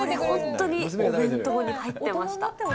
お弁当に入ってました。